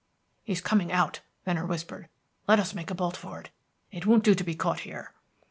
"He's coming out," Venner whispered. "Let us make a bolt for it. It won't do to be caught here."